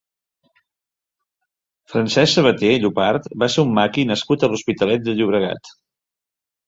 Francesc Sabaté Llopart va ser un maqui nascut a l'Hospitalet de Llobregat.